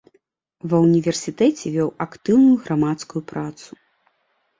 Ва ўніверсітэце вёў актыўную грамадскую працу.